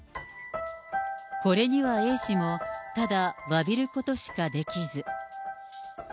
これにはＡ氏も、ただわびることしかできず。